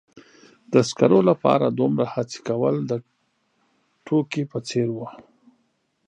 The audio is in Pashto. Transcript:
د سکرو لپاره دومره هڅې کول د ټوکې په څیر و.